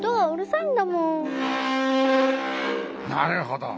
なるほど。